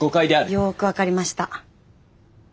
よく分かりました。